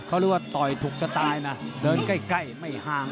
เขาเรียกว่าต่อยถูกสไตล์นะเดินใกล้ไม่ห้าม